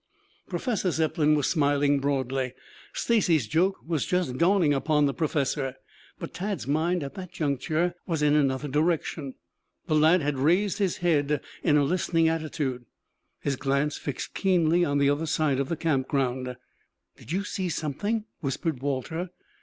Professor Zepplin was smiling broadly. Stacy's joke was just dawning upon the professor. But Tad's mind at that juncture was in another direction. The lad had raised his head in a listening attitude, his glance fixed keenly on the other side of the camp ground. "Did you see something?" whispered Walter.